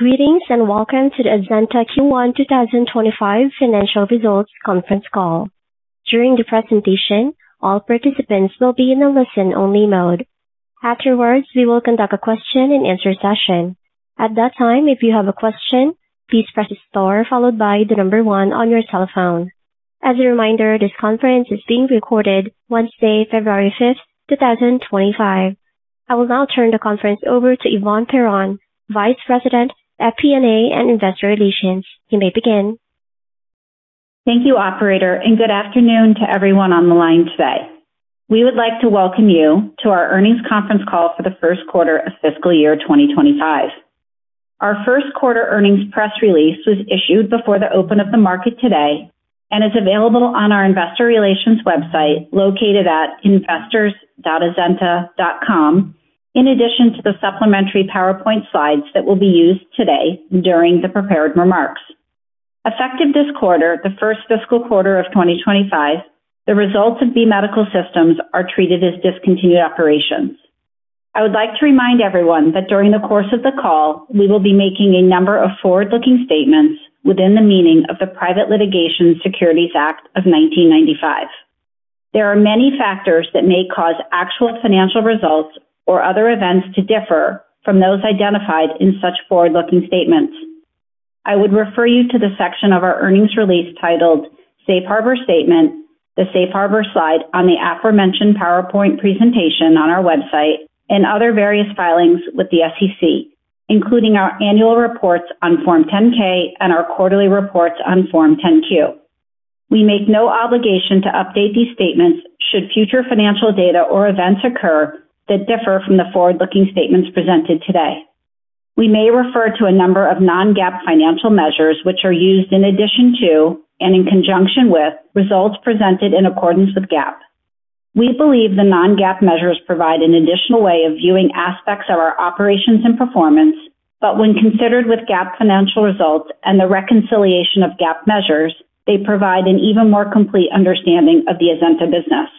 Greetings and welcome to the Azenta Q1 2025 Financial Results Conference Call. During the presentation, all participants will be in a listen-only mode. Afterwards, we will conduct a question-and-answer session. At that time, if you have a question, please press star followed by the number one on your cell phone. As a reminder, this conference is being recorded Wednesday, February 5th, 2025. I will now turn the conference over to Yvonne Perron, Vice President at FP&A and Investor Relations. You may begin. Thank you, Operator, and good afternoon to everyone on the line today. We would like to welcome you to our earnings conference call for the first quarter of fiscal year 2025. Our first quarter earnings press release was issued before the open of the market today and is available on our investor relations website located at investors.azenta.com, in addition to the supplementary PowerPoint slides that will be used today during the prepared remarks. Effective this quarter, the first fiscal quarter of 2025, the results of B Medical Systems are treated as discontinued operations. I would like to remind everyone that during the course of the call, we will be making a number of forward-looking statements within the meaning of the Private Securities Litigation Reform Act of 1995. There are many factors that may cause actual financial results or other events to differ from those identified in such forward-looking statements. I would refer you to the section of our earnings release titled Safe Harbor Statement, the Safe Harbor slide on the aforementioned PowerPoint presentation on our website, and other various filings with the SEC, including our annual reports on Form 10-K and our quarterly reports on Form 10-Q. We make no obligation to update these statements should future financial data or events occur that differ from the forward-looking statements presented today. We may refer to a number of non-GAAP financial measures which are used in addition to, and in conjunction with, results presented in accordance with GAAP. We believe the non-GAAP measures provide an additional way of viewing aspects of our operations and performance, but when considered with GAAP financial results and the reconciliation of GAAP measures, they provide an even more complete understanding of the Azenta business.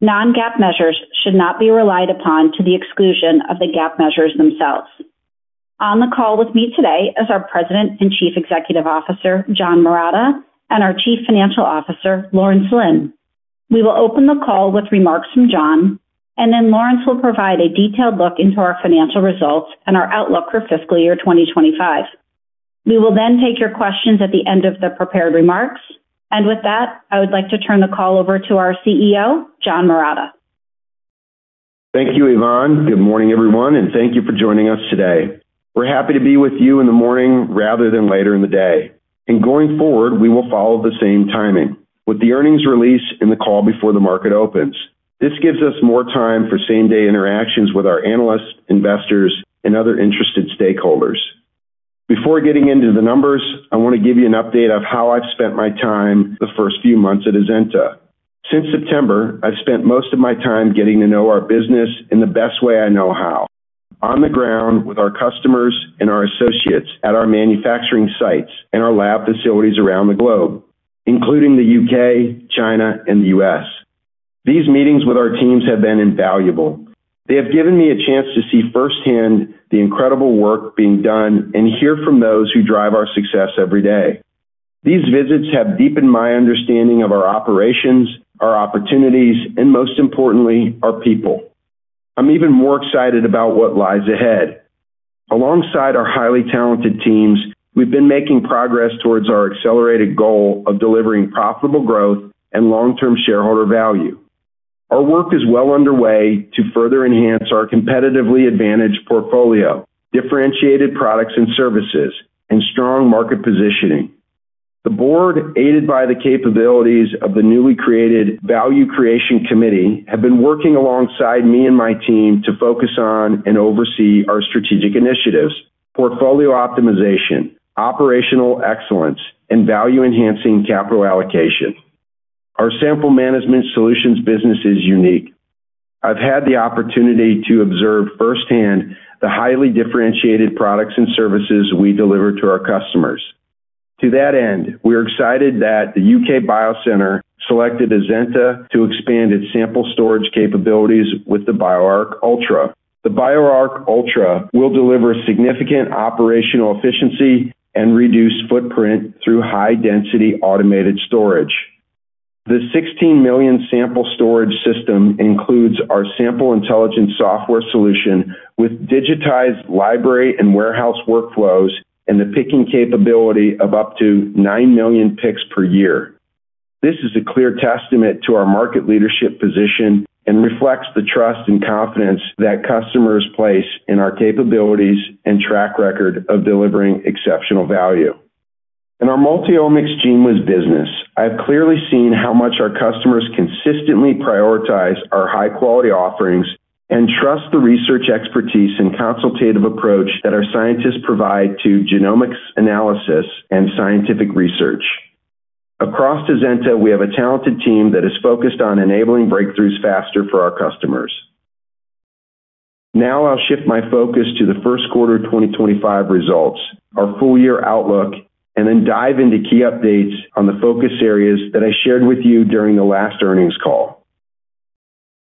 Non-GAAP measures should not be relied upon to the exclusion of the GAAP measures themselves. On the call with me today is our President and Chief Executive Officer, John Marotta, and our Chief Financial Officer, Lawrence Lin. We will open the call with remarks from John, and then Lawrence will provide a detailed look into our financial results and our outlook for fiscal year 2025. We will then take your questions at the end of the prepared remarks, and with that, I would like to turn the call over to our CEO, John Marotta. Thank you, Yvonne. Good morning, everyone, and thank you for joining us today. We're happy to be with you in the morning rather than later in the day. Going forward, we will follow the same timing with the earnings release and the call before the market opens. This gives us more time for same-day interactions with our analysts, investors, and other interested stakeholders. Before getting into the numbers, I want to give you an update of how I've spent my time the first few months at Azenta. Since September, I've spent most of my time getting to know our business in the best way I know how: on the ground with our customers and our associates at our manufacturing sites and our lab facilities around the globe, including the UK, China, and the US. These meetings with our teams have been invaluable. They have given me a chance to see firsthand the incredible work being done and hear from those who drive our success every day. These visits have deepened my understanding of our operations, our opportunities, and most importantly, our people. I'm even more excited about what lies ahead. Alongside our highly talented teams, we've been making progress towards our accelerated goal of delivering profitable growth and long-term shareholder value. Our work is well underway to further enhance our competitively advantaged portfolio, differentiated products and services, and strong market positioning. The board, aided by the capabilities of the newly created Value Creation Committee, have been working alongside me and my team to focus on and oversee our strategic initiatives: portfolio optimization, operational excellence, and value-enhancing capital allocation. Our sample management solutions business is unique. I've had the opportunity to observe firsthand the highly differentiated products and services we deliver to our customers. To that end, we are excited that the UK Biocentre selected Azenta to expand its sample storage capabilities with the BioArc Ultra. The BioArc Ultra will deliver significant operational efficiency and reduce footprint through high-density automated storage. The 16 million sample storage system includes our sample intelligence software solution with digitized library and warehouse workflows and the picking capability of up to 9 million picks per year. This is a clear testament to our market leadership position and reflects the trust and confidence that customers place in our capabilities and track record of delivering exceptional value. In our Multiomics GENEWIZ business, I have clearly seen how much our customers consistently prioritize our high-quality offerings and trust the research expertise and consultative approach that our scientists provide to genomics analysis and scientific research. Across Azenta, we have a talented team that is focused on enabling breakthroughs faster for our customers. Now I'll shift my focus to the first quarter 2025 results, our full-year outlook, and then dive into key updates on the focus areas that I shared with you during the last earnings call.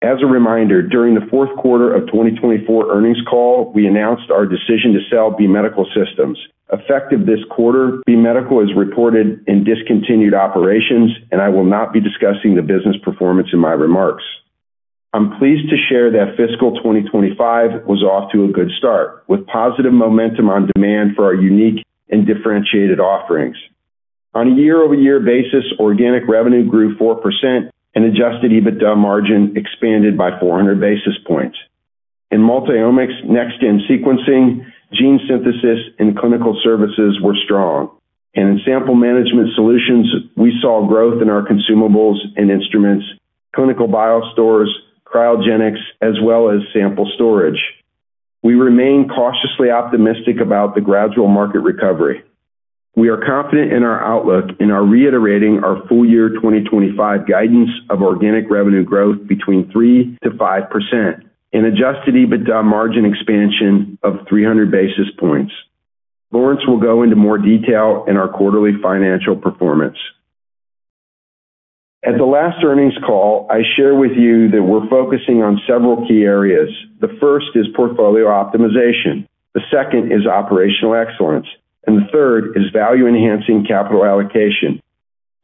As a reminder, during the fourth quarter of 2024 earnings call, we announced our decision to sell B Medical Systems. Effective this quarter, B Medical has reported and discontinued operations, and I will not be discussing the business performance in my remarks. I'm pleased to share that fiscal 2025 was off to a good start with positive momentum on demand for our unique and differentiated offerings. On a year-over-year basis, organic revenue grew 4%, and adjusted EBITDA margin expanded by 400 basis points. In Multiomics, next-gen sequencing, gene synthesis, and clinical services were strong, and in sample management solutions, we saw growth in our consumables and instruments, clinical BioStores, cryogenics, as well as sample storage. We remain cautiously optimistic about the gradual market recovery. We are confident in our outlook and are reiterating our full-year 2025 guidance of organic revenue growth between 3%-5% and adjusted EBITDA margin expansion of 300 basis points. Lawrence will go into more detail in our quarterly financial performance. At the last earnings call, I shared with you that we're focusing on several key areas. The first is portfolio optimization. The second is operational excellence. And the third is value-enhancing capital allocation.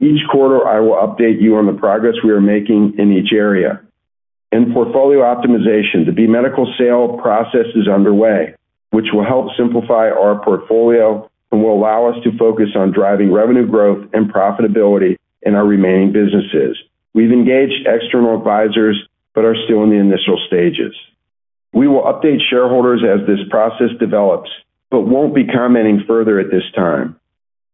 Each quarter, I will update you on the progress we are making in each area. In portfolio optimization, the B Medical sale process is underway, which will help simplify our portfolio and will allow us to focus on driving revenue growth and profitability in our remaining businesses. We've engaged external advisors, but are still in the initial stages. We will update shareholders as this process develops, but won't be commenting further at this time.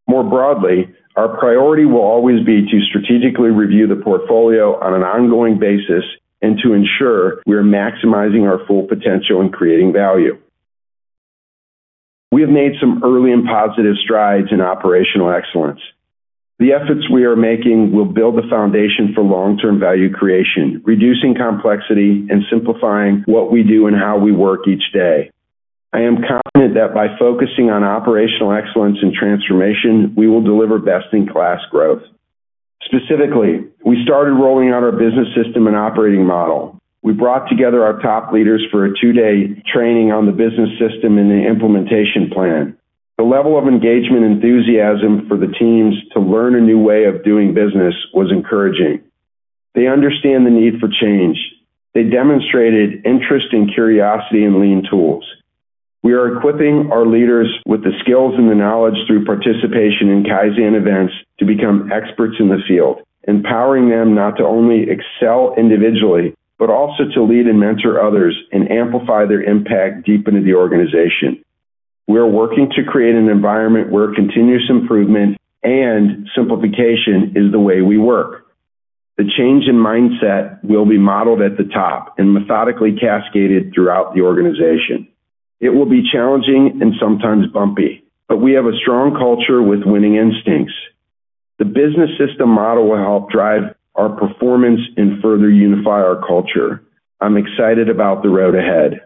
More broadly, our priority will always be to strategically review the portfolio on an ongoing basis and to ensure we are maximizing our full potential and creating value. We have made some early and positive strides in operational excellence. The efforts we are making will build the foundation for long-term value creation, reducing complexity and simplifying what we do and how we work each day. I am confident that by focusing on operational excellence and transformation, we will deliver best-in-class growth. Specifically, we started rolling out our business system and operating model. We brought together our top leaders for a two-day training on the business system and the implementation plan. The level of engagement enthusiasm for the teams to learn a new way of doing business was encouraging. They understand the need for change. They demonstrated interest and curiosity in lean tools. We are equipping our leaders with the skills and the knowledge through participation in Kaizen events to become experts in the field, empowering them not to only excel individually, but also to lead and mentor others and amplify their impact deep into the organization. We are working to create an environment where continuous improvement and simplification is the way we work. The change in mindset will be modeled at the top and methodically cascaded throughout the organization. It will be challenging and sometimes bumpy, but we have a strong culture with winning instincts. The business system model will help drive our performance and further unify our culture. I'm excited about the road ahead.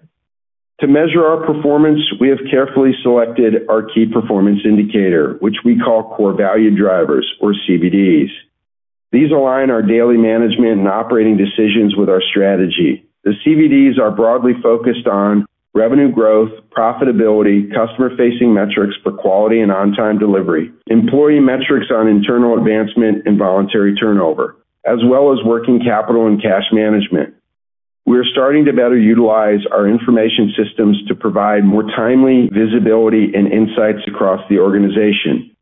To measure our performance, we have carefully selected our key performance indicator, which we call Core Value Drivers or CVDs. These align our daily management and operating decisions with our strategy. The CVDs are broadly focused on revenue growth, profitability, customer-facing metrics for quality and on-time delivery, employee metrics on internal advancement and voluntary turnover, as well as working capital and cash management. We are starting to better utilize our information systems to provide more timely visibility and insights across the organization.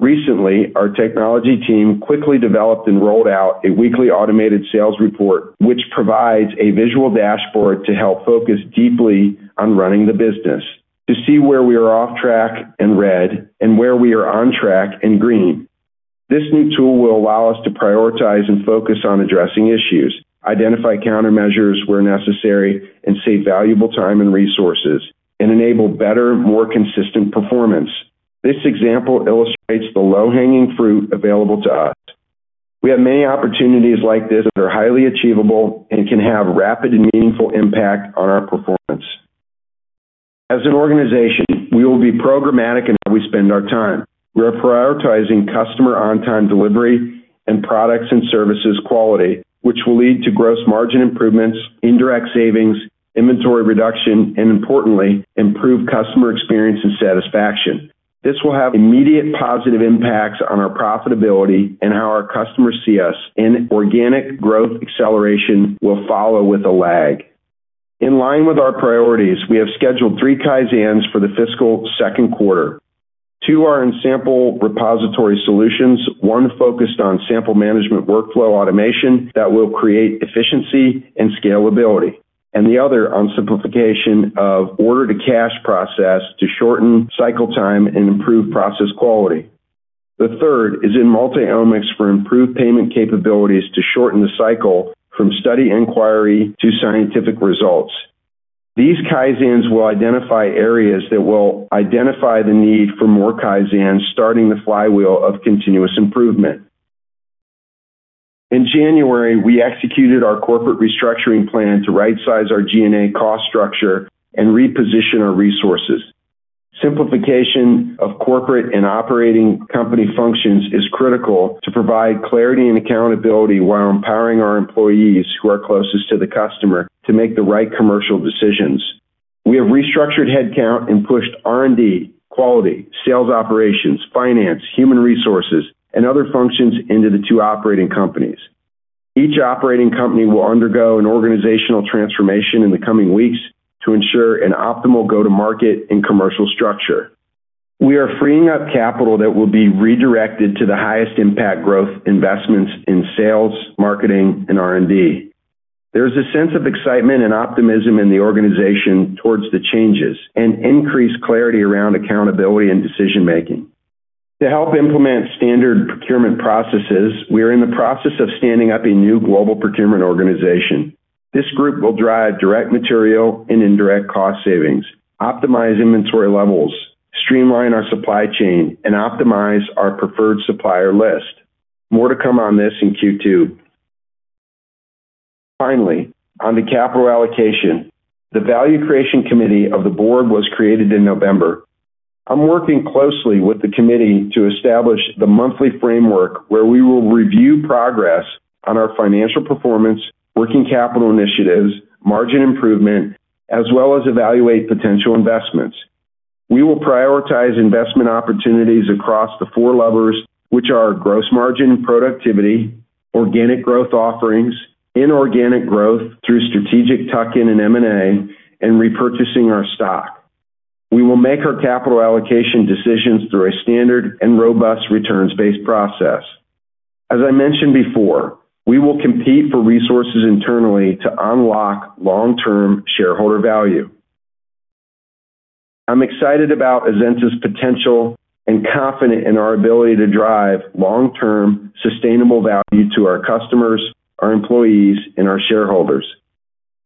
Recently, our technology team quickly developed and rolled out a weekly automated sales report, which provides a visual dashboard to help focus deeply on running the business, to see where we are off track and red, and where we are on track and green. This new tool will allow us to prioritize and focus on addressing issues, identify countermeasures where necessary, and save valuable time and resources, and enable better, more consistent performance. This example illustrates the low-hanging fruit available to us. We have many opportunities like this that are highly achievable and can have rapid and meaningful impact on our performance. As an organization, we will be programmatic in how we spend our time. We are prioritizing customer on-time delivery and products and services quality, which will lead to gross margin improvements, indirect savings, inventory reduction, and importantly, improved customer experience and satisfaction. This will have immediate positive impacts on our profitability and how our customers see us, and organic growth acceleration will follow with a lag. In line with our priorities, we have scheduled three Kaizens for the fiscal second quarter: two are in Sample Repository Solutions, one focused on sample management workflow automation that will create efficiency and scalability, and the other on simplification of order-to-cash process to shorten cycle time and improve process quality. The third is in Multiomics for improved payment capabilities to shorten the cycle from study inquiry to scientific results. These Kaizens will identify areas that will identify the need for more Kaizens starting the flywheel of continuous improvement. In January, we executed our corporate restructuring plan to right-size our G&A cost structure and reposition our resources. Simplification of corporate and operating company functions is critical to provide clarity and accountability while empowering our employees who are closest to the customer to make the right commercial decisions. We have restructured headcount and pushed R&D, quality, sales operations, finance, human resources, and other functions into the two operating companies. Each operating company will undergo an organizational transformation in the coming weeks to ensure an optimal go-to-market and commercial structure. We are freeing up capital that will be redirected to the highest impact growth investments in sales, marketing, and R&D. There is a sense of excitement and optimism in the organization towards the changes and increased clarity around accountability and decision-making. To help implement standard procurement processes, we are in the process of standing up a new global procurement organization. This group will drive direct material and indirect cost savings, optimize inventory levels, streamline our supply chain, and optimize our preferred supplier list. More to come on this in Q2. Finally, on the capital allocation, the Value Creation Committee of the board was created in November. I'm working closely with the committee to establish the monthly framework where we will review progress on our financial performance, working capital initiatives, margin improvement, as well as evaluate potential investments. We will prioritize investment opportunities across the four levers, which are gross margin and productivity, organic growth offerings, inorganic growth through strategic tuck-in and M&A, and repurchasing our stock. We will make our capital allocation decisions through a standard and robust returns-based process. As I mentioned before, we will compete for resources internally to unlock long-term shareholder value. I'm excited about Azenta's potential and confident in our ability to drive long-term sustainable value to our customers, our employees, and our shareholders.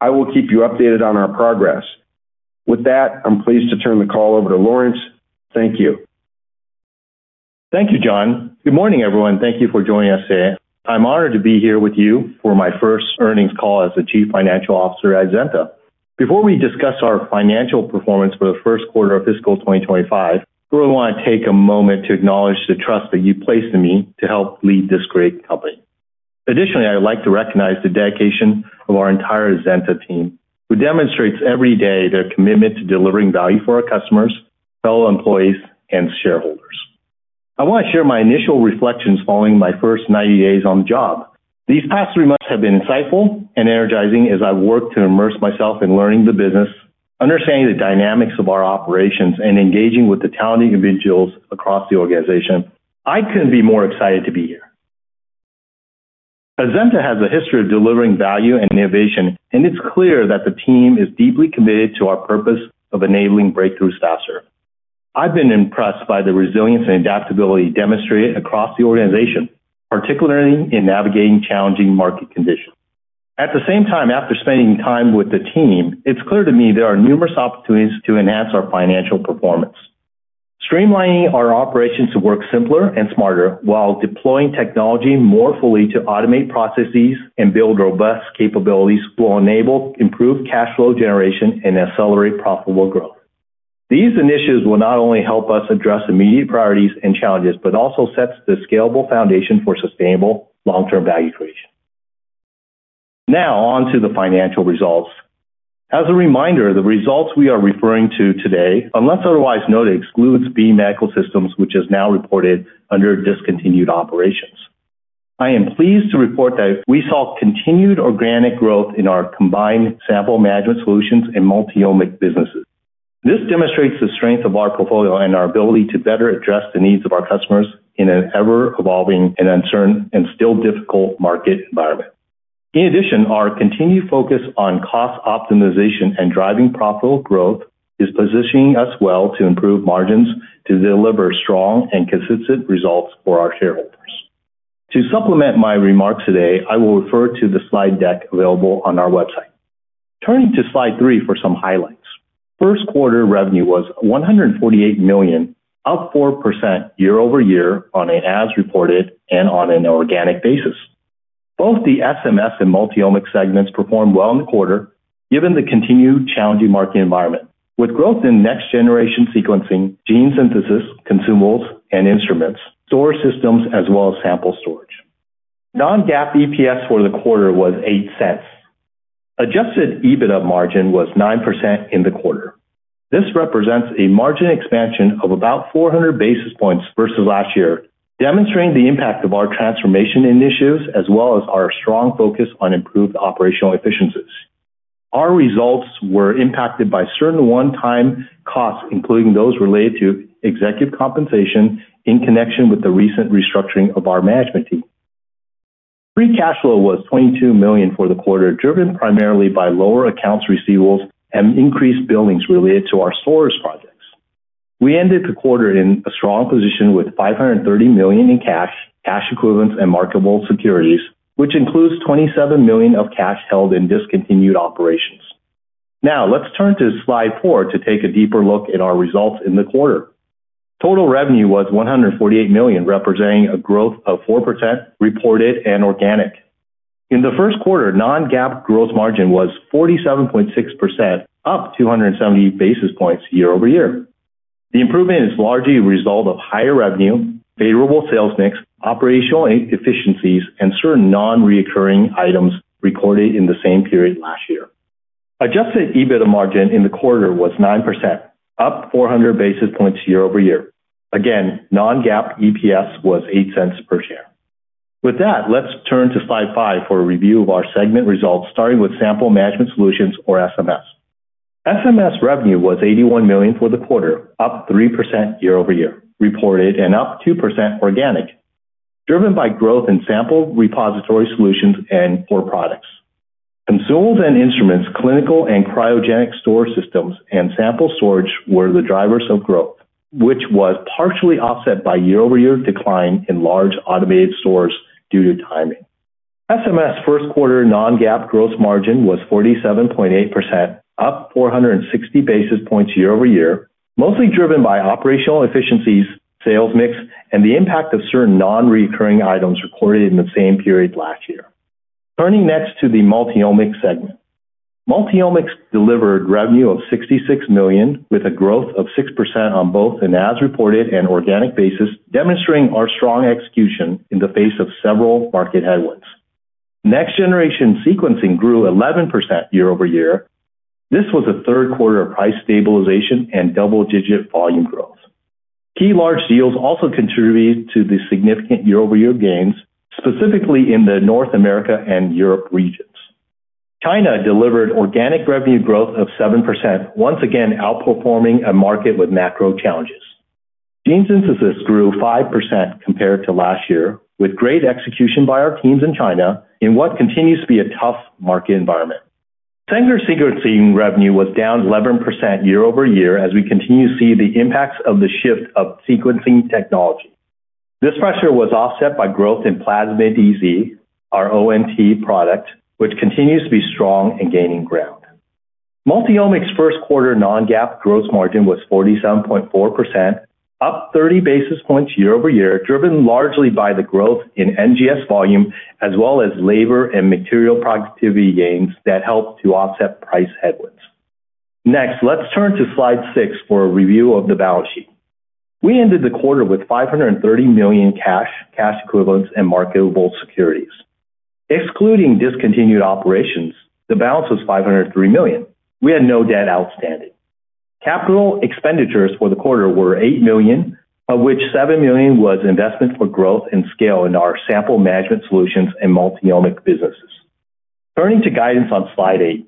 I will keep you updated on our progress. With that, I'm pleased to turn the call over to Lawrence. Thank you. Thank you, John. Good morning, everyone. Thank you for joining us today. I'm honored to be here with you for my first earnings call as the Chief Financial Officer at Azenta. Before we discuss our financial performance for the first quarter of fiscal 2025, I really want to take a moment to acknowledge the trust that you placed in me to help lead this great company. Additionally, I'd like to recognize the dedication of our entire Azenta team, who demonstrates every day their commitment to delivering value for our customers, fellow employees, and shareholders. I want to share my initial reflections following my first 90 days on the job. These past three months have been insightful and energizing as I've worked to immerse myself in learning the business, understanding the dynamics of our operations, and engaging with the talented individuals across the organization. I couldn't be more excited to be here. Azenta has a history of delivering value and innovation, and it's clear that the team is deeply committed to our purpose of enabling breakthroughs faster. I've been impressed by the resilience and adaptability demonstrated across the organization, particularly in navigating challenging market conditions. At the same time, after spending time with the team, it's clear to me there are numerous opportunities to enhance our financial performance. Streamlining our operations to work simpler and smarter while deploying technology more fully to automate processes and build robust capabilities will enable improved cash flow generation and accelerate profitable growth. These initiatives will not only help us address immediate priorities and challenges, but also set the scalable foundation for sustainable long-term value creation. Now, on to the financial results. As a reminder, the results we are referring to today, unless otherwise noted, excludes B Medical Systems, which is now reported under discontinued operations. I am pleased to report that we saw continued organic growth in our combined sample management solutions and Multiomics businesses. This demonstrates the strength of our portfolio and our ability to better address the needs of our customers in an ever-evolving and uncertain and still difficult market environment. In addition, our continued focus on cost optimization and driving profitable growth is positioning us well to improve margins to deliver strong and consistent results for our shareholders. To supplement my remarks today, I will refer to the slide deck available on our website. Turning to slide three for some highlights. First quarter revenue was $148 million, up 4% year over year on an as-reported and on an organic basis. Both the SMS and Multiomics segments performed well in the quarter, given the continued challenging market environment, with growth in next-generation sequencing, gene synthesis, consumables, and instruments, storage systems, as well as sample storage. Non-GAAP EPS for the quarter was $0.08. Adjusted EBITDA margin was 9% in the quarter. This represents a margin expansion of about 400 basis points versus last year, demonstrating the impact of our transformation initiatives as well as our strong focus on improved operational efficiencies. Our results were impacted by certain one-time costs, including those related to executive compensation in connection with the recent restructuring of our management team. Free cash flow was $22 million for the quarter, driven primarily by lower accounts receivables and increased billings related to our storage projects. We ended the quarter in a strong position with $530 million in cash, cash equivalents, and marketable securities, which includes $27 million of cash held in discontinued operations. Now, let's turn to slide four to take a deeper look at our results in the quarter. Total revenue was $148 million, representing a growth of 4% reported and organic. In the first quarter, non-GAAP gross margin was 47.6%, up 270 basis points year over year. The improvement is largely a result of higher revenue, favorable sales mix, operational efficiencies, and certain non-recurring items recorded in the same period last year. Adjusted EBITDA margin in the quarter was 9%, up 400 basis points year over year. Again, non-GAAP EPS was $0.08 per share. With that, let's turn to slide five for a review of our segment results, starting with Sample Management Solutions, or SMS. SMS revenue was $81 million for the quarter, up 3% year over year, reported and up 2% organic, driven by growth in Sample Repository Solutions and core products. Consumables and instruments, clinical and cryogenic store systems, and sample storage were the drivers of growth, which was partially offset by year-over-year decline in large Automated Stores due to timing. SMS first quarter non-GAAP gross margin was 47.8%, up 460 basis points year over year, mostly driven by operational efficiencies, sales mix, and the impact of certain non-recurring items recorded in the same period last year. Turning next to the Multiomics segment. Multiomics delivered revenue of $66 million, with a growth of 6% on both an as-reported and organic basis, demonstrating our strong execution in the face of several market headwinds. Next-generation sequencing grew 11% year over year. This was a third quarter of price stabilization and double-digit volume growth. Key large deals also contributed to the significant year-over-year gains, specifically in the North America and Europe regions. China delivered organic revenue growth of 7%, once again outperforming a market with macro challenges. Gene synthesis grew 5% compared to last year, with great execution by our teams in China in what continues to be a tough market environment. Sanger sequencing revenue was down 11% year over year as we continue to see the impacts of the shift of sequencing technology. This pressure was offset by growth in Plasmid-EZ, our ONT product, which continues to be strong and gaining ground. Multiomics's first quarter non-GAAP gross margin was 47.4%, up 30 basis points year over year, driven largely by the growth in NGS volume, as well as labor and material productivity gains that helped to offset price headwinds. Next, let's turn to slide six for a review of the balance sheet. We ended the quarter with $530 million cash, cash equivalents, and marketable securities. Excluding discontinued operations, the balance was $503 million. We had no debt outstanding. Capital expenditures for the quarter were $8 million, of which $7 million was investment for growth and scale in our sample management solutions and Multiomics businesses. Turning to guidance on slide eight.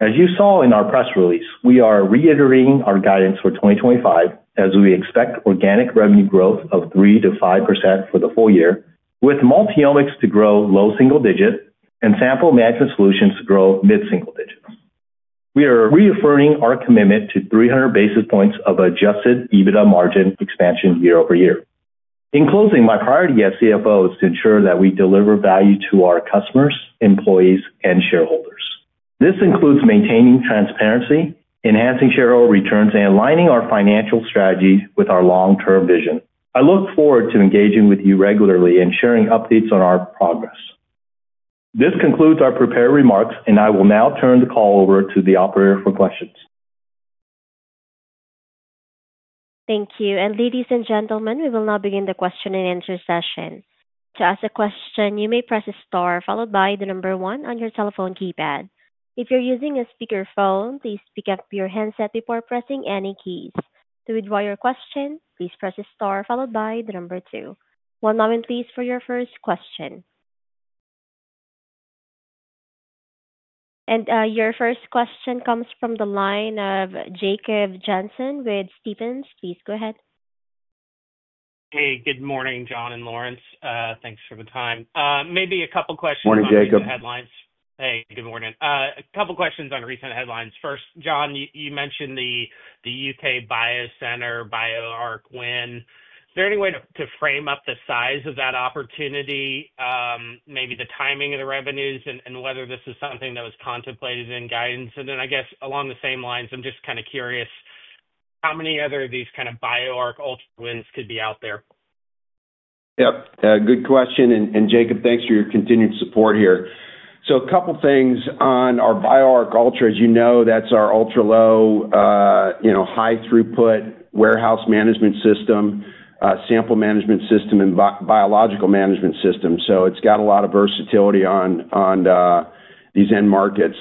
As you saw in our press release, we are reiterating our guidance for 2025 as we expect organic revenue growth of 3%-5% for the full year, with Multiomics to grow low single digit and sample management solutions to grow mid-single digits. We are reaffirming our commitment to 300 basis points of Adjusted EBITDA margin expansion year over year. In closing, my priority as CFO is to ensure that we deliver value to our customers, employees, and shareholders. This includes maintaining transparency, enhancing shareholder returns, and aligning our financial strategy with our long-term vision. I look forward to engaging with you regularly and sharing updates on our progress. This concludes our prepared remarks, and I will now turn the call over to the operator for questions. Thank you. And ladies and gentlemen, we will now begin the question and answer session. To ask a question, you may press star followed by the number one on your telephone keypad. If you're using a speakerphone, please pick up your headset before pressing any keys. To withdraw your question, please press star followed by the number two. Now we'll proceed to your first question. Your first question comes from the line of Jacob Johnson with Stephens. Please go ahead. Hey, good morning, John and Lawrence. Thanks for the time. Maybe a couple of questions on recent headlines. Morning, Jacob. Hey, good morning. A couple of questions on recent headlines. First, John, you mentioned the UK Biocentre BioArc win. Is there any way to frame up the size of that opportunity, maybe the timing of the revenues, and whether this is something that was contemplated in guidance? And then I guess along the same lines, I'm just kind of curious how many other of these kind of BioArc Ultra wins could be out there? Yep. Good question. And Jacob, thanks for your continued support here. So a couple of things on our BioArc Ultra. As you know, that's our ultra-low, high-throughput warehouse management system, sample management system, and biological management system. So it's got a lot of versatility on these end markets.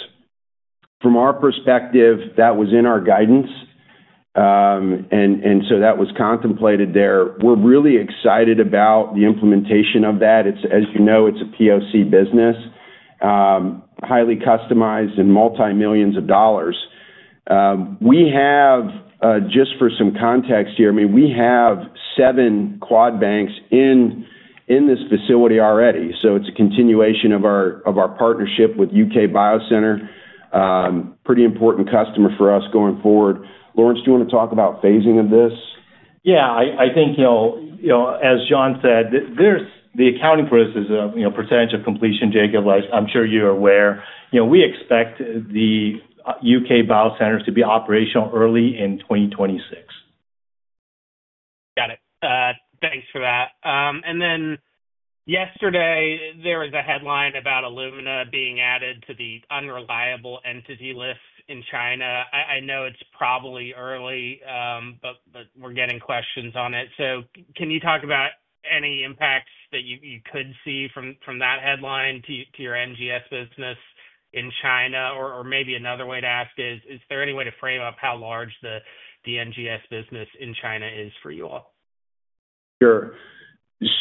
From our perspective, that was in our guidance, and so that was contemplated there. We're really excited about the implementation of that. As you know, it's a POC business, highly customized and multi-millions of dollars. We have, just for some context here, I mean, we have seven quad banks in this facility already. So it's a continuation of our partnership with UK Biocentre, pretty important customer for us going forward. Lawrence, do you want to talk about phasing of this? Yeah. I think, as John said, the accounting for this is a percentage of completion, Jacob. I'm sure you're aware. We expect the UK Biocentres to be operational early in 2026. Got it. Thanks for that. Then yesterday, there was a headline about Illumina being added to the unreliable entity list in China. I know it's probably early, but we're getting questions on it. So can you talk about any impacts that you could see from that headline to your NGS business in China? Or maybe another way to ask is, is there any way to frame up how large the NGS business in China is for you all? Sure.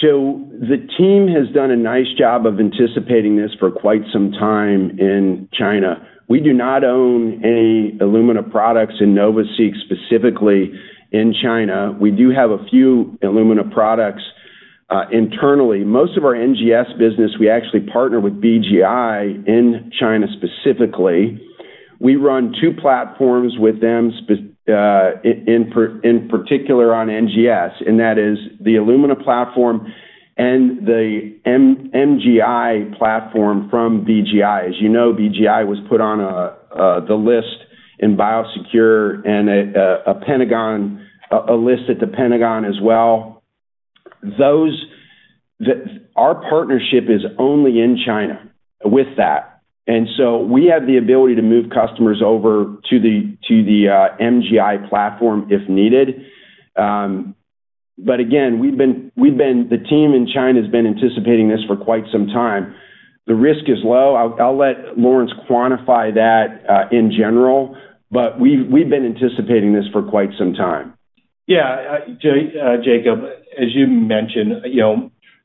So the team has done a nice job of anticipating this for quite some time in China. We do not own any Illumina products and NovaSeq specifically in China. We do have a few Illumina products internally. Most of our NGS business, we actually partner with BGI in China specifically. We run two platforms with them, in particular on NGS, and that is the Illumina platform and the MGI platform from BGI. As you know, BGI was put on the list in BIOSECURE and a list at the Pentagon as well. Our partnership is only in China with that. And so we have the ability to move customers over to the MGI platform if needed. But again, the team in China has been anticipating this for quite some time. The risk is low. I'll let Lawrence quantify that in general, but we've been anticipating this for quite some time. Yeah. Jacob, as you mentioned,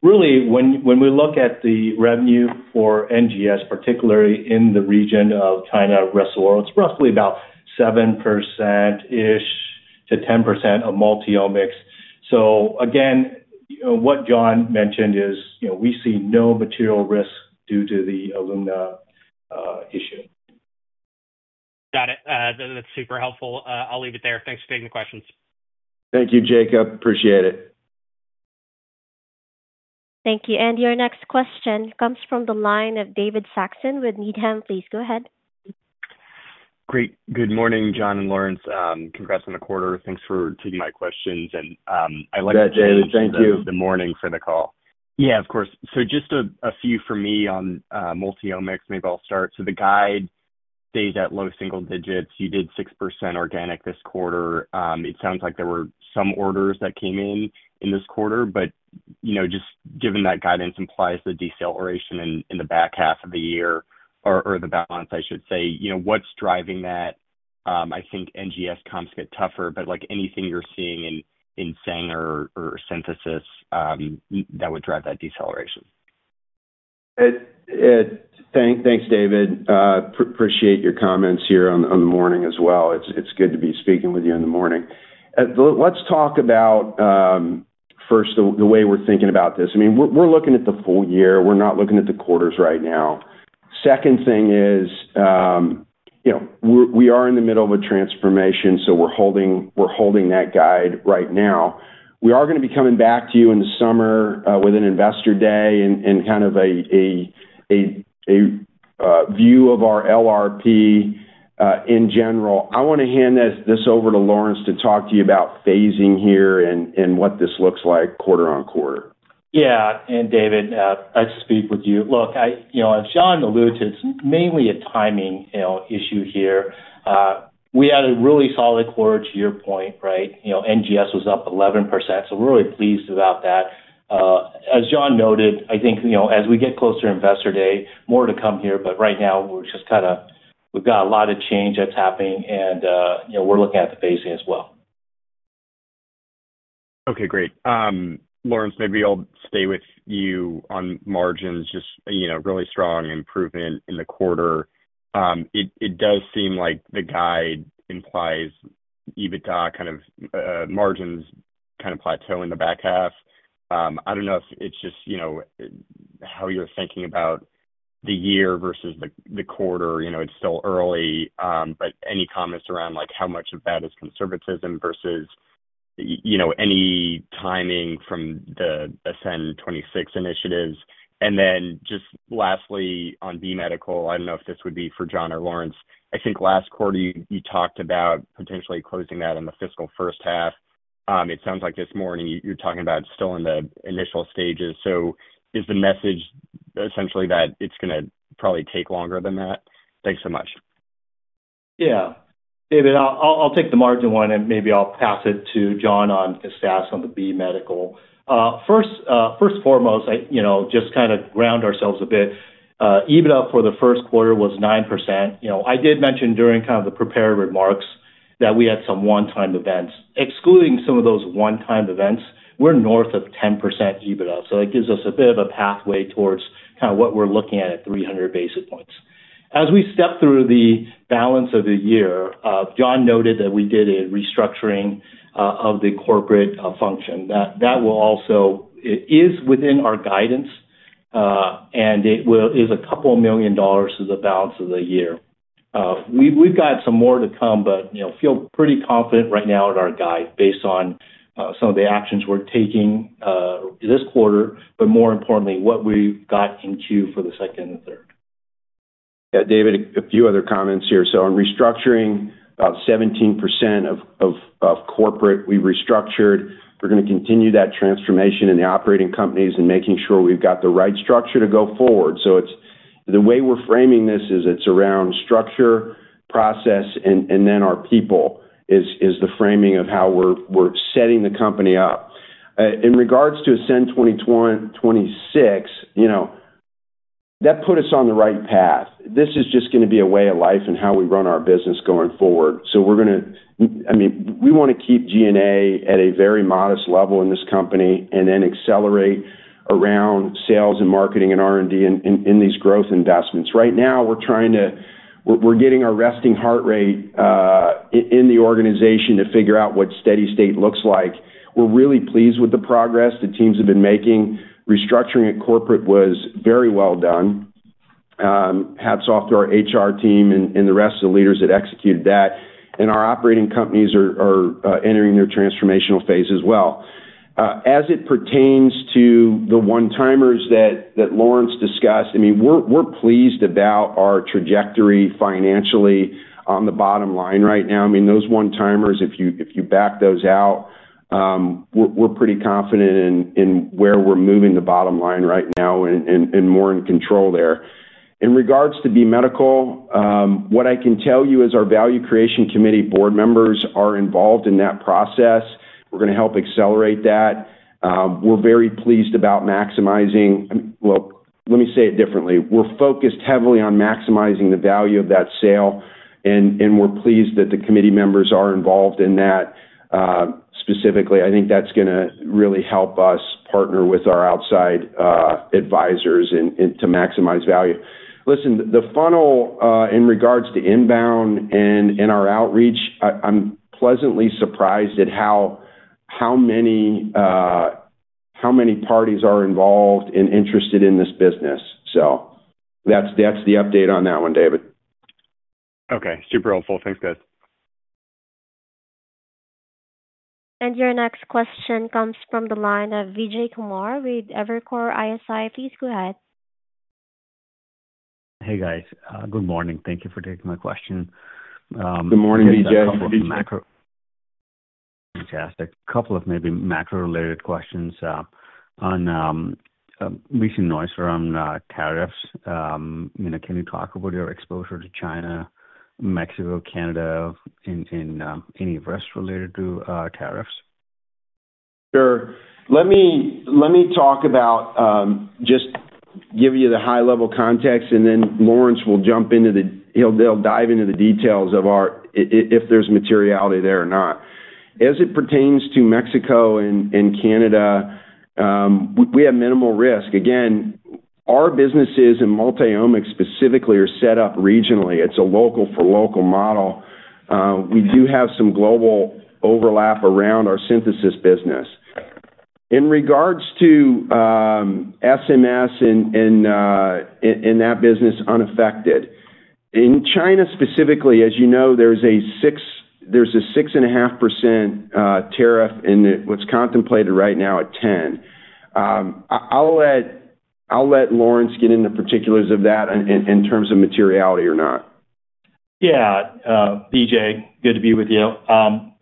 really, when we look at the revenue for NGS, particularly in the region of China and rest of world, it's roughly about 7%-ish to 10% of Multiomics. So again, what John mentioned is we see no material risk due to the Illumina issue. Got it. That's super helpful. I'll leave it there. Thanks for taking the questions. Thank you, Jacob. Appreciate it. Thank you. And your next question comes from the line of David Saxon with Needham. Please go ahead. Great. Good morning, John and Lawrence. Congrats on the quarter. Thanks for taking my questions. And I like to say. Thank you. Good morning for the call. Yeah, of course. So just a few for me on Multiomics. Maybe I'll start. So the guide stays at low single digits. You did 6% organic this quarter. It sounds like there were some orders that came in this quarter, but just given that guidance implies the deceleration in the back half of the year or the balance, I should say. What's driving that? I think NGS comps get tougher, but anything you're seeing in Sanger or synthesis that would drive that deceleration? Thanks, David. Appreciate your comments here on the morning as well. It's good to be speaking with you in the morning. Let's talk about first the way we're thinking about this. I mean, we're looking at the full year. We're not looking at the quarters right now. Second thing is we are in the middle of a transformation, so we're holding that guide right now. We are going to be coming back to you in the summer with an investor day and kind of a view of our LRP in general. I want to hand this over to Lawrence to talk to you about phasing here and what this looks like quarter on quarter. Yeah. And David, nice to speak with you. Look, as John alluded to, it's mainly a timing issue here. We had a really solid quarter, to your point, right? NGS was up 11%, so we're really pleased about that. As John noted, I think as we get closer to investor day, more to come here, but right now, we're just kind of we've got a lot of change that's happening, and we're looking at the phasing as well. Okay. Great. Lawrence, maybe I'll stay with you on margins, just really strong improvement in the quarter. It does seem like the guide implies EBITDA kind of margins kind of plateau in the back half. I don't know if it's just how you're thinking about the year versus the quarter. It's still early, but any comments around how much of that is conservatism versus any timing from the Ascend 2026 initiatives? And then just lastly on B Medical, I don't know if this would be for John or Lawrence. I think last quarter, you talked about potentially closing that in the fiscal first half. It sounds like this morning you're talking about it's still in the initial stages. So is the message essentially that it's going to probably take longer than that? Thanks so much. Yeah. David, I'll take the margin one and maybe I'll pass it to John on the status on the B Medical. First and foremost, just kind of ground ourselves a bit. EBITDA for the first quarter was 9%. I did mention during kind of the prepared remarks that we had some one-time events. Excluding some of those one-time events, we're north of 10% EBITDA. So that gives us a bit of a pathway towards kind of what we're looking at at 300 basis points. As we step through the balance of the year, John noted that we did a restructuring of the corporate function. That will also is within our guidance, and it is couple million dollars to the balance of the year. We've got some more to come, but feel pretty confident right now in our guide based on some of the actions we're taking this quarter, but more importantly, what we've got in Q4 for the second and third. Yeah. David, a few other comments here. So on restructuring, about 17% of corporate we've restructured. We're going to continue that transformation in the operating companies and making sure we've got the right structure to go forward. So the way we're framing this is it's around structure, process, and then our people is the framing of how we're setting the company up. In regards to Ascend 2026, that put us on the right path. This is just going to be a way of life and how we run our business going forward. So we're going to, I mean, we want to keep G&A at a very modest level in this company and then accelerate around sales and marketing and R&D in these growth investments. Right now, we're getting our resting heart rate in the organization to figure out what steady state looks like. We're really pleased with the progress the teams have been making. Restructuring at corporate was very well done. Hats off to our HR team and the rest of the leaders that executed that, and our operating companies are entering their transformational phase as well. As it pertains to the one-timers that Lawrence discussed, I mean, we're pleased about our trajectory financially on the bottom line right now. I mean, those one-timers, if you back those out, we're pretty confident in where we're moving the bottom line right now and more in control there. In regards to B Medical, what I can tell you is our Value Creation Committee board members are involved in that process. We're going to help accelerate that. We're very pleased about maximizing, well, let me say it differently. We're focused heavily on maximizing the value of that sale, and we're pleased that the committee members are involved in that specifically. I think that's going to really help us partner with our outside advisors to maximize value. Listen, the funnel in regards to inbound and our outreach. I'm pleasantly surprised at how many parties are involved and interested in this business. So that's the update on that one, David. Okay. Super helpful. Thanks, guys. And your next question comes from the line of Vijay Kumar with Evercore ISI. Please go ahead. Hey, guys. Good morning. Thank you for taking my question. Good morning, Vijay. Fantastic. A couple of maybe macro-related questions on recent noise around tariffs. Can you talk about your exposure to China, Mexico, Canada, and any risk related to tariffs? Sure. Let me just give you the high-level context, and then Lawrence will jump in. He'll dive into the details of if there's materiality there or not. As it pertains to Mexico and Canada, we have minimal risk. Again, our businesses in Multiomics specifically are set up regionally. It's a local-for-local model. We do have some global overlap around our synthesis business. In regards to SMS and that business unaffected, in China specifically, as you know, there's a 6.5% tariff, and it was contemplated right now at 10%. I'll let Lawrence get into the particulars of that in terms of materiality or not. Yeah. Vijay, good to be with you.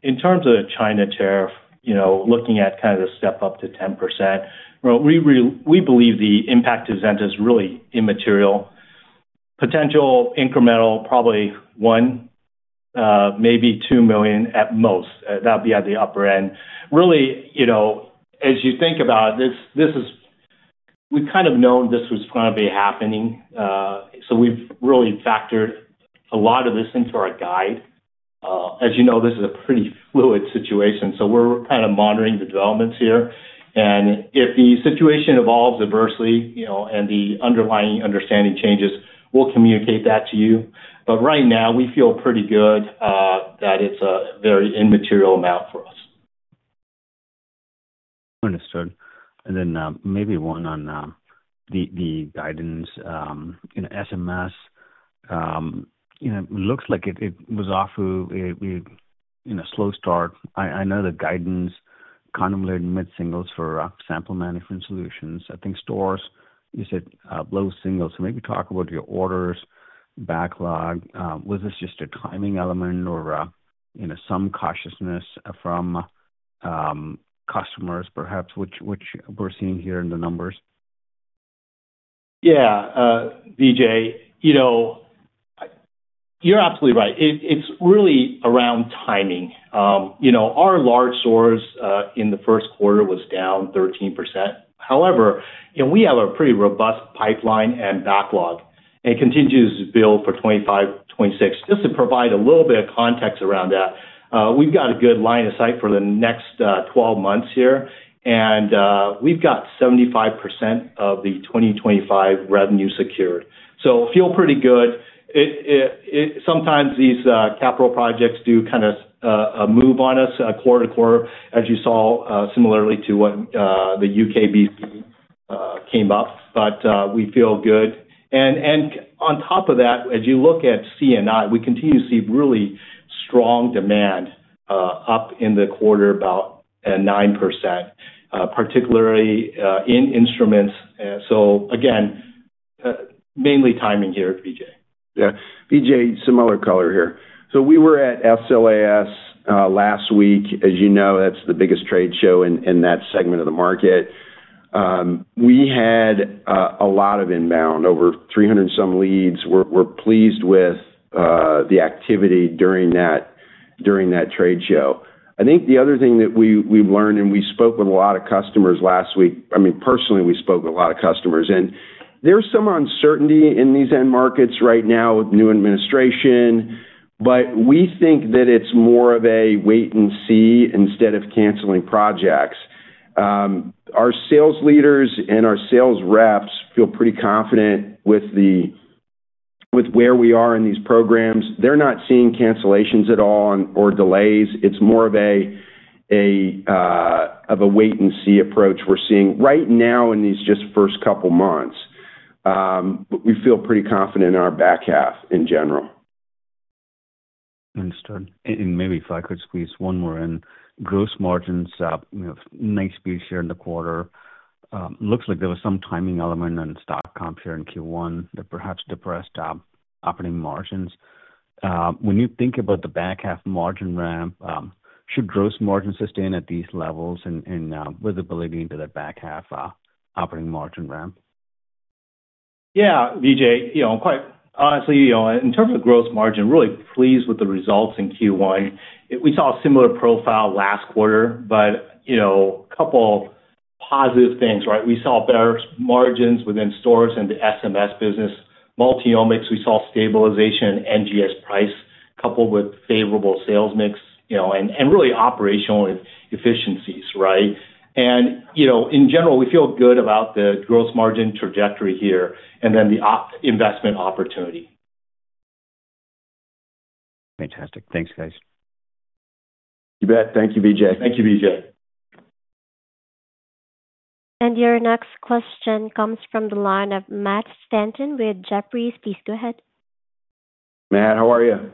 In terms of the China tariff, looking at kind of the step up to 10%, we believe the impact is really immaterial. Potential incremental, probably $1 million, maybe $2 million at most. That'd be at the upper end. Really, as you think about it, we've kind of known this was going to be happening. So we've really factored a lot of this into our guide. As you know, this is a pretty fluid situation. So we're kind of monitoring the developments here. And if the situation evolves adversely and the underlying understanding changes, we'll communicate that to you. But right now, we feel pretty good that it's a very immaterial amount for us. Understood. Then maybe one on the guidance. SMS looks like it was off to a slow start. I know the guidance contemplated mid-singles for sample management solutions. I think storage is at low singles. So maybe talk about your orders, backlog. Was this just a timing element or some cautiousness from customers, perhaps, which we're seeing here in the numbers? Yeah. Vijay, you're absolutely right. It's really around timing. Our large source in the first quarter was down 13%. However, we have a pretty robust pipeline and backlog. It continues to build for 2025, 2026. Just to provide a little bit of context around that, we've got a good line of sight for the next 12 months here, and we've got 75% of the 2025 revenue secured. So feel pretty good. Sometimes these capital projects do kind of move on us quarter to quarter, as you saw, similarly to what the UKBB came up, but we feel good, and on top of that, as you look at C&I, we continue to see really strong demand up in the quarter about 9%, particularly in instruments, so again, mainly timing here, Vijay. Yeah. Vijay, similar color here, so we were at SLAS last week. As you know, that's the biggest trade show in that segment of the market. We had a lot of inbound, over 300-some leads. We're pleased with the activity during that trade show. I think the other thing that we've learned, and we spoke with a lot of customers last week. I mean, personally, we spoke with a lot of customers. And there's some uncertainty in these end markets right now with new administration, but we think that it's more of a wait and see instead of canceling projects. Our sales leaders and our sales reps feel pretty confident with where we are in these programs. They're not seeing cancellations at all or delays. It's more of a wait and see approach we're seeing right now in these just first couple of months. But we feel pretty confident in our back half in general. Understood. And maybe if I could squeeze one more in, gross margins, nice beat here in the quarter. Looks like there was some timing element on stock comp here in Q1 that perhaps depressed operating margins. When you think about the back half margin ramp, should gross margin sustain at these levels and with ability into the back half operating margin ramp? Yeah, Vijay. Quite honestly, in terms of gross margin, really pleased with the results in Q1. We saw a similar profile last quarter, but a couple of positive things, right? We saw better margins within stores and the SMS business. Multiomics, we saw stabilization in NGS price coupled with favorable sales mix and really operational efficiencies, right? And in general, we feel good about the gross margin trajectory here and then the investment opportunity. Fantastic. Thanks, guys. You bet. Thank you, Vijay. Thank you, Vijay. And your next question comes from the line of Matt Stanton with Jefferies. Please go ahead. Matt, how are you?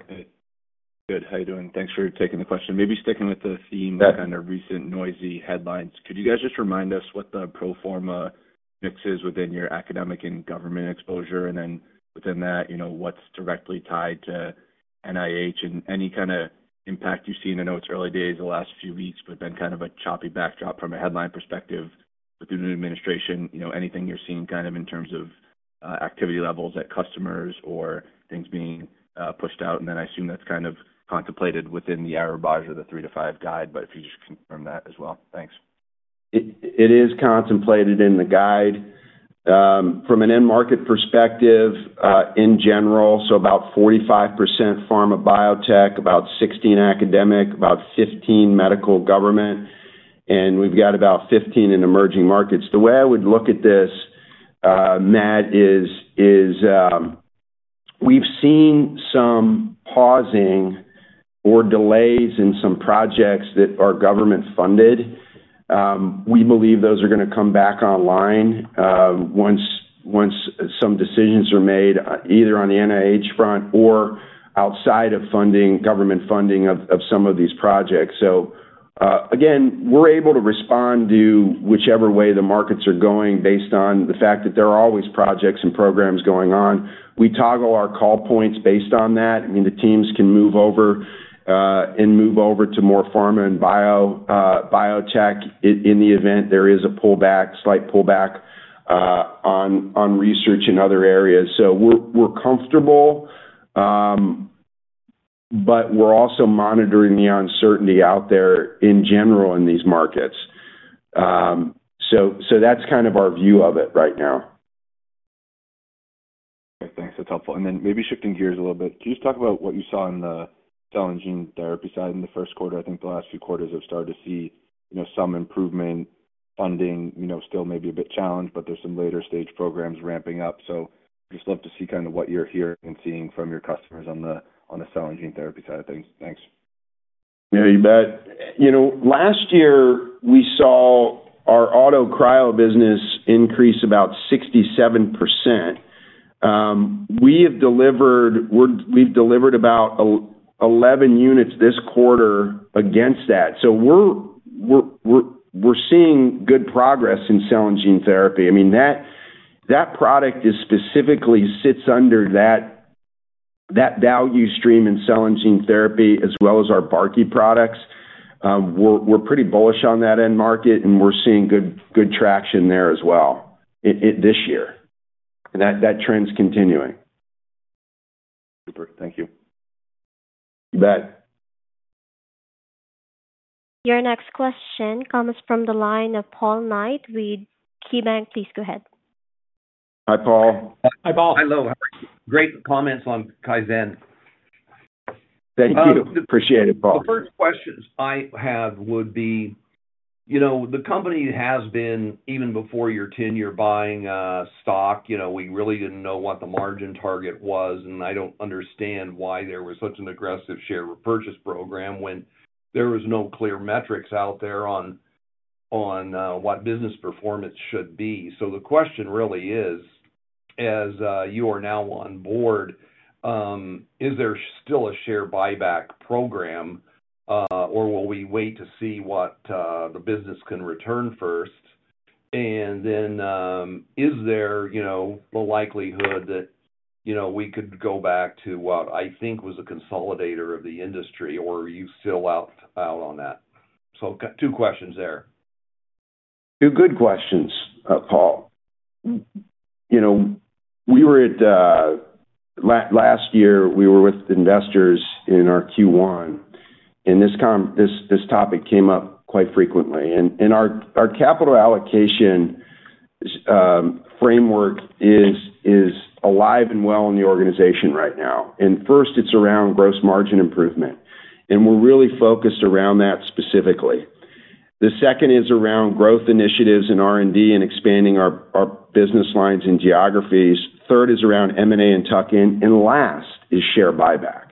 Good. How are you doing? Thanks for taking the question. Maybe sticking with the theme of kind of recent noisy headlines. Could you guys just remind us what the pro forma mix is within your academic and government exposure? And then within that, what's directly tied to NIH and any kind of impact you've seen in those early days the last few weeks, but then kind of a choppy backdrop from a headline perspective within the administration, anything you're seeing kind of in terms of activity levels at customers or things being pushed out? And then I assume that's kind of contemplated within our budget or the three to five guide, but if you just confirm that as well. Thanks. It is contemplated in the guide. From an end market perspective in general, so about 45% pharma biotech, about 16% academic, about 15% medical government, and we've got about 15% in emerging markets. The way I would look at this, Matt, is we've seen some pausing or delays in some projects that are government-funded. We believe those are going to come back online once some decisions are made either on the NIH front or outside of government funding of some of these projects. So again, we're able to respond to whichever way the markets are going based on the fact that there are always projects and programs going on. We toggle our call points based on that. I mean, the teams can move over and move over to more pharma and biotech in the event there is a slight pullback on research in other areas. So we're comfortable, but we're also monitoring the uncertainty out there in general in these markets. So that's kind of our view of it right now. Okay. Thanks. That's helpful. And then maybe shifting gears a little bit, could you just talk about what you saw in the cell and gene therapy side in the first quarter? I think the last few quarters have started to see some improvement. Funding still may be a bit challenged, but there's some later-stage programs ramping up. So I'd just love to see kind of what you're hearing and seeing from your customers on the cell and gene therapy side of things. Thanks. Yeah, you bet. Last year, we saw our auto cryo business increase about 67%. We've delivered about 11 units this quarter against that. So we're seeing good progress in cell and gene therapy. I mean, that product specifically sits under that value stream in cell and gene therapy as well as our BioArc products. We're pretty bullish on that end market, and we're seeing good traction there as well this year. And that trend's continuing. Super. Thank you. You bet. Your next question comes from the line of Paul Knight with KeyBank. Please go ahead. Hi, Paul. Hi, Paul. Hello. Great comments on Kaizen. Thank you. Appreciate it, Paul. The first question I have would be the company has been, even before your tenure, buying stock. We really didn't know what the margin target was, and I don't understand why there was such an aggressive share repurchase program when there were no clear metrics out there on what business performance should be. So the question really is, as you are now on board, is there still a share buyback program, or will we wait to see what the business can return first? And then is there the likelihood that we could go back to what I think was a consolidator of the industry, or are you still out on that? So two questions there. Two good questions, Paul. Last year, we were with investors in our Q1, and this topic came up quite frequently. And our capital allocation framework is alive and well in the organization right now. And first, it's around gross margin improvement. And we're really focused around that specifically. The second is around growth initiatives and R&D and expanding our business lines and geographies. Third is around M&A and tuck-in. And last is share buyback.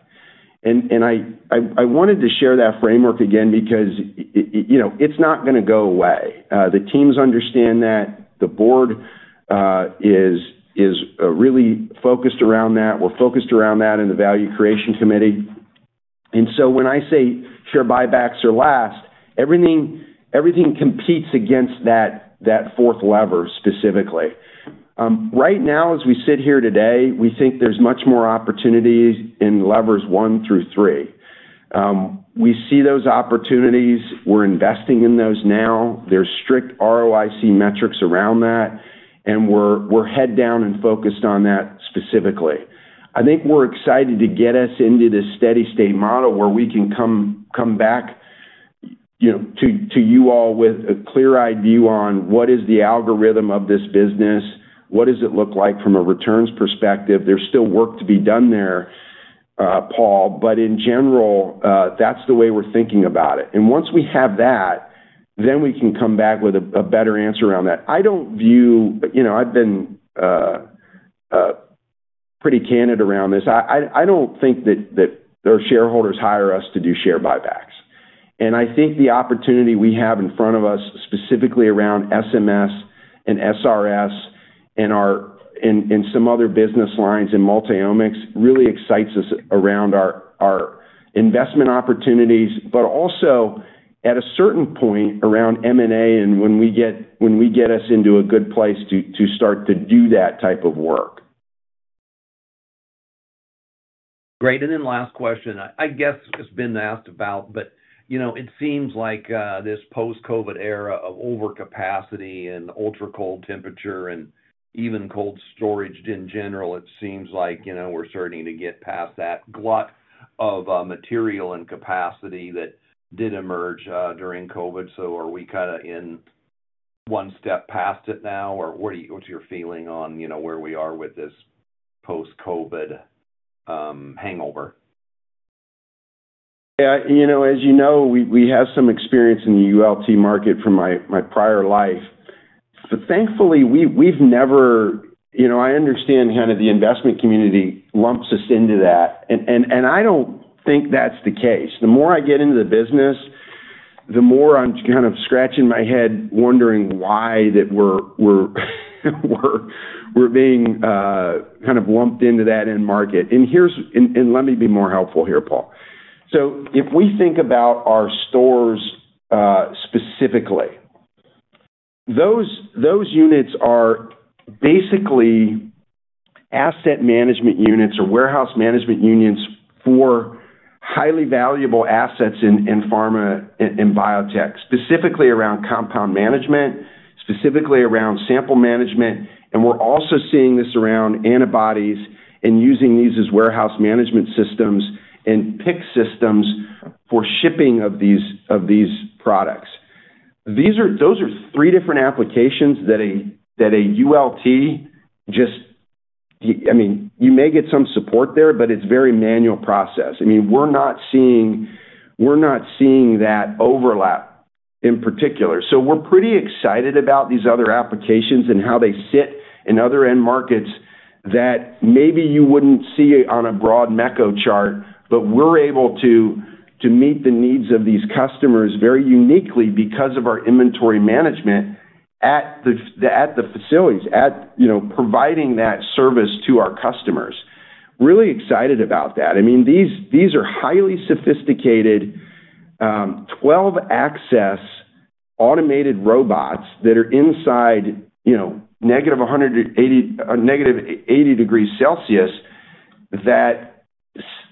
And I wanted to share that framework again because it's not going to go away. The teams understand that. The board is really focused around that. We're focused around that in the value creation committee. And so when I say share buybacks are last, everything competes against that fourth lever specifically. Right now, as we sit here today, we think there's much more opportunities in levers one through three. We see those opportunities. We're investing in those now. There's strict ROIC metrics around that, and we're head-down and focused on that specifically. I think we're excited to get us into this steady-state model where we can come back to you all with a clear idea on what is the algorithm of this business, what does it look like from a returns perspective. There's still work to be done there, Paul, but in general, that's the way we're thinking about it. And once we have that, then we can come back with a better answer around that. I don't view. I've been pretty candid around this. I don't think that our shareholders hire us to do share buybacks. And I think the opportunity we have in front of us specifically around SMS and SRS and some other business lines in Multiomics really excites us around our investment opportunities, but also at a certain point around M&A and when we get us into a good place to start to do that type of work. Great. And then last question. I guess it's been asked about, but it seems like this post-COVID era of overcapacity and ultra-low temperature and even cold storage in general, it seems like we're starting to get past that glut of material and capacity that did emerge during COVID. So are we kind of one step past it now, or what's your feeling on where we are with this post-COVID hangover? Yeah. As you know, we have some experience in the ULT market from my prior life. But thankfully, we've never. I understand kind of the investment community lumps us into that, and I don't think that's the case. The more I get into the business, the more I'm kind of scratching my head wondering why that we're being kind of lumped into that end market, and let me be more helpful here, Paul, so if we think about our stores specifically, those units are basically asset management units or warehouse management units for highly valuable assets in pharma and biotech, specifically around compound management, specifically around sample management. And we're also seeing this around antibodies and using these as warehouse management systems and pick systems for shipping of these products. Those are three different applications that a ULT just. I mean, you may get some support there, but it's a very manual process. I mean, we're not seeing that overlap in particular. So we're pretty excited about these other applications and how they sit in other end markets that maybe you wouldn't see on a broad Mekko chart, but we're able to meet the needs of these customers very uniquely because of our inventory management at the facilities, providing that service to our customers. Really excited about that. I mean, these are highly sophisticated 12-axis automated robots that are inside negative 180 degrees Celsius.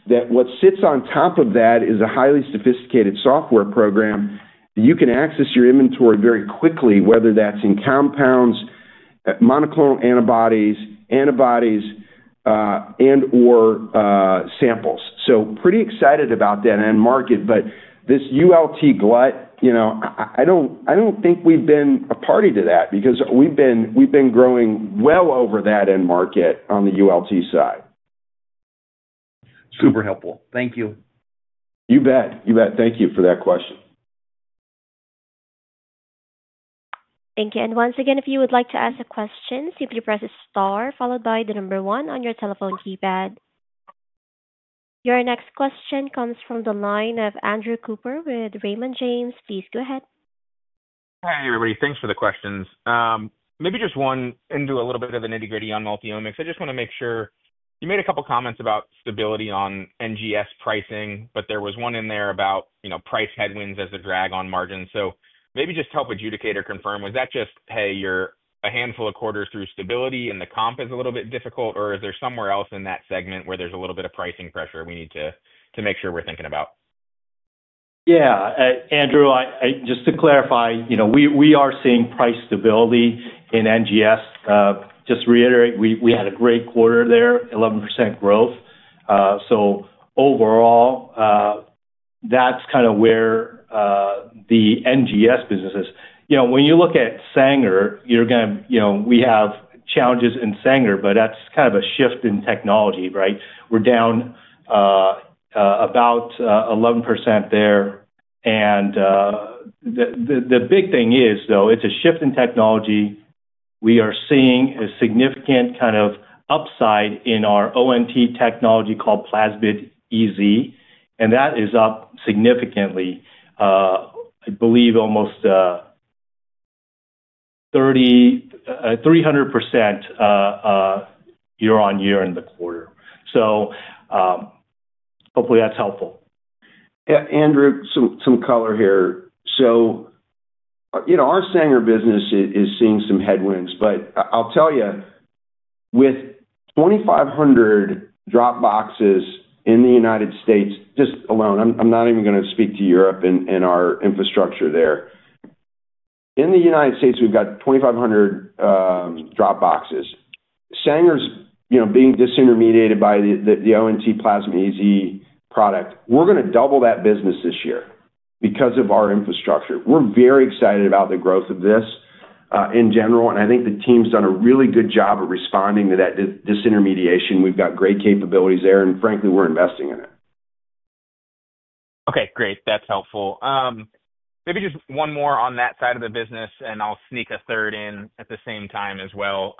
What sits on top of that is a highly sophisticated software program. You can access your inventory very quickly, whether that's in compounds, monoclonal antibodies, antibodies, and/or samples. So pretty excited about that end market. But this ULT glut, I don't think we've been a party to that because we've been growing well over that end market on the ULT side. Super helpful. Thank you. You bet. You bet. Thank you for that question. Thank you. And once again, if you would like to ask a question, simply press a star followed by the number one on your telephone keypad. Your next question comes from the line of Andrew Cooper with Raymond James. Please go ahead. Hey, everybody. Thanks for the questions. Maybe just one into a little bit of the nitty-gritty on Multiomics. I just want to make sure you made a couple of comments about stability on NGS pricing, but there was one in there about price headwinds as a drag on margins. So maybe just help adjudicate or confirm. Was that just, "Hey, you're a handful of quarters through stability, and the comp is a little bit difficult," or is there somewhere else in that segment where there's a little bit of pricing pressure we need to make sure we're thinking about? Yeah. Andrew, just to clarify, we are seeing price stability in NGS. Just reiterate, we had a great quarter there, 11% growth. So overall, that's kind of where the NGS business is. When you look at Sanger, we have challenges in Sanger, but that's kind of a shift in technology, right? We're down about 11% there. The big thing is, though, it's a shift in technology. We are seeing a significant kind of upside in our ONT technology called Plasmid-EZ, and that is up significantly, I believe, almost 300% year-on-year in the quarter. So hopefully, that's helpful. Andrew, some color here. So our Sanger business is seeing some headwinds, but I'll tell you, with 2,500 dropboxes in the United States just alone, I'm not even going to speak to Europe and our infrastructure there, in the United States, we've got 2,500 dropboxes. Sanger's being disintermediated by the ONT Plasmid-EZ product. We're going to double that business this year because of our infrastructure. We're very excited about the growth of this in general, and I think the team's done a really good job of responding to that disintermediation. We've got great capabilities there, and frankly, we're investing in it. Okay. Great. That's helpful. Maybe just one more on that side of the business, and I'll sneak a third in at the same time as well,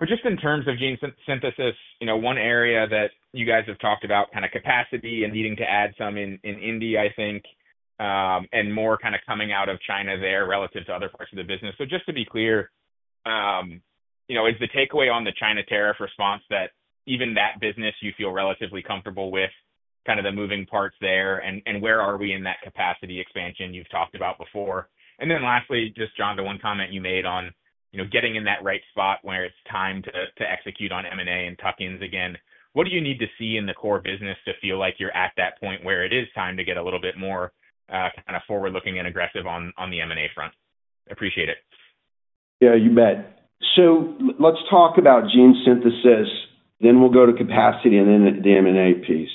but just in terms of gene synthesis, one area that you guys have talked about, kind of capacity and needing to add some in India, I think, and more kind of coming out of China there relative to other parts of the business. So just to be clear, is the takeaway on the China tariff response that even that business you feel relatively comfortable with, kind of the moving parts there, and where are we in that capacity expansion you've talked about before? And then lastly, just John, the one comment you made on getting in that right spot where it's time to execute on M&A and tuck-ins again. What do you need to see in the core business to feel like you're at that point where it is time to get a little bit more kind of forward-looking and aggressive on the M&A front? Appreciate it. Yeah, you bet. So let's talk about gene synthesis, then we'll go to capacity, and then the M&A piece.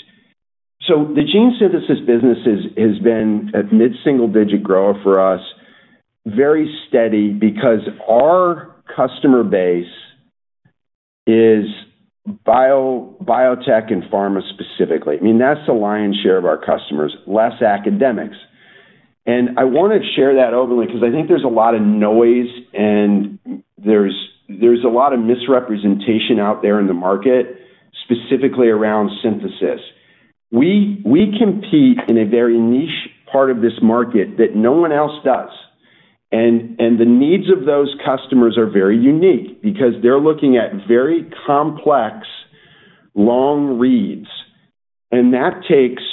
So the gene synthesis business has been a mid-single-digit grower for us, very steady because our customer base is biotech and pharma specifically. I mean, that's the lion's share of our customers, less academics. And I want to share that openly because I think there's a lot of noise, and there's a lot of misrepresentation out there in the market, specifically around synthesis. We compete in a very niche part of this market that no one else does. And the needs of those customers are very unique because they're looking at very complex long reads. And that takes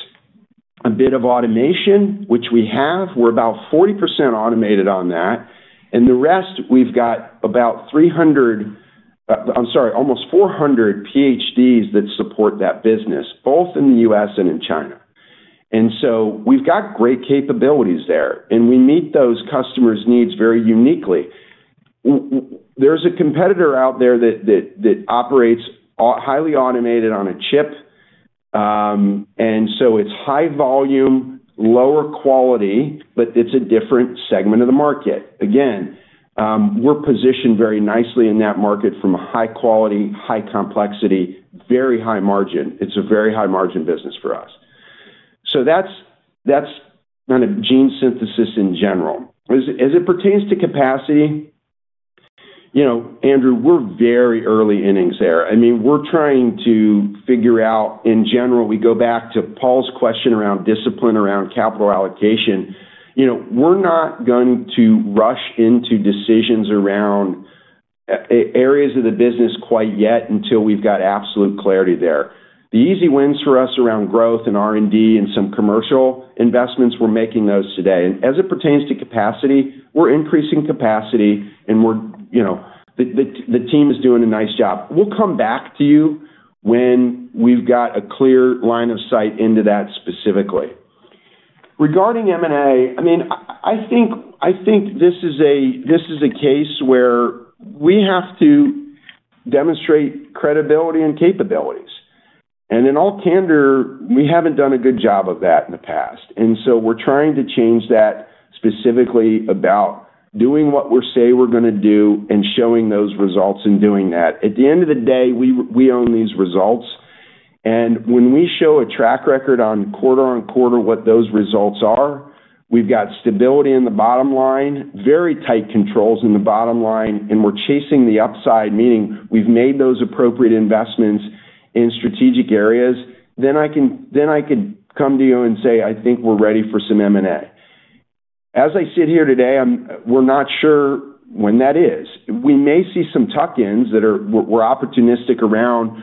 a bit of automation, which we have. We're about 40% automated on that. And the rest, we've got about 300, I'm sorry, almost 400 PhDs that support that business, both in the U.S. and in China. And so we've got great capabilities there, and we meet those customers' needs very uniquely. There's a competitor out there that operates highly automated on a chip. And so it's high volume, lower quality, but it's a different segment of the market. Again, we're positioned very nicely in that market from a high quality, high complexity, very high margin. It's a very high margin business for us. So that's kind of gene synthesis in general. As it pertains to capacity, Andrew, we're very early innings there. I mean, we're trying to figure out, in general, we go back to Paul's question around discipline, around capital allocation. We're not going to rush into decisions around areas of the business quite yet until we've got absolute clarity there. The easy wins for us around growth and R&D and some commercial investments, we're making those today. And as it pertains to capacity, we're increasing capacity, and the team is doing a nice job. We'll come back to you when we've got a clear line of sight into that specifically. Regarding M&A, I mean, I think this is a case where we have to demonstrate credibility and capabilities. And in all candor, we haven't done a good job of that in the past. And so we're trying to change that specifically about doing what we say we're going to do and showing those results and doing that. At the end of the day, we own these results. And when we show a track record on quarter on quarter what those results are, we've got stability in the bottom line, very tight controls in the bottom line, and we're chasing the upside, meaning we've made those appropriate investments in strategic areas, then I could come to you and say, "I think we're ready for some M&A." As I sit here today, we're not sure when that is. We may see some tuck-ins that are more opportunistic around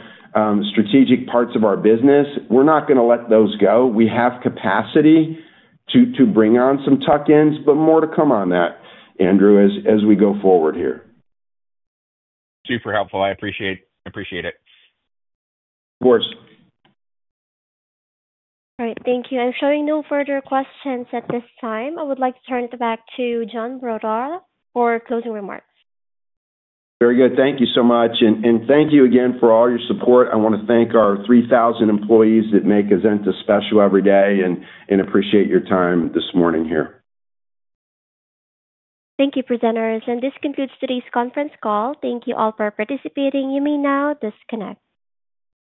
strategic parts of our business. We're not going to let those go. We have capacity to bring on some tuck-ins, but more to come on that, Andrew, as we go forward here. Super helpful. I appreciate it. Of course. All right. Thank you. And so no further questions at this time. I would like to turn it back to John Marotta for closing remarks. Very good. Thank you so much. And thank you again for all your support. I want to thank our 3,000 employees that make Azenta special every day and appreciate your time this morning here. Thank you, presenters. And this concludes today's conference call. Thank you all for participating. You may now disconnect.